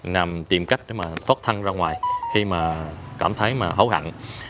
nằm tìm cách để thoát thăng ra ngoài khi cảm thấy hấu hẳn